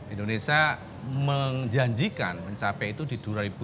indonesia menjanjikan mencapai itu di dua ribu dua puluh